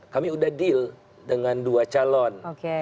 kami sudah deal dengan dua calon